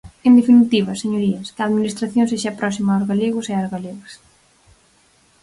En definitiva, señorías, que a Administración sexa próxima aos galegos e ás galegas.